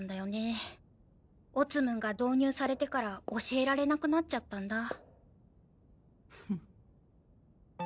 オツムンが導入されてから教えられなくなっちゃったんだ。